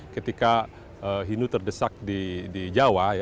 ketika hindu terdesak di jawa